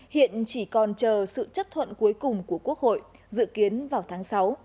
hiện chỉ còn chờ sự chấp thuận cuối cùng của quốc hội dự kiến vào tháng sáu